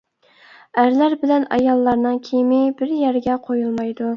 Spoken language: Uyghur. ئەرلەر بىلەن ئاياللارنىڭ كىيىمى بىر يەرگە قويۇلمايدۇ.